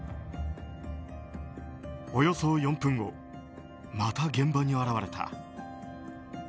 およそ４分後、また現場に現れた。